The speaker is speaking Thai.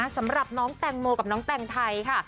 สำหรับน้องแตงโมกับน้องแต่งไทยค่ะ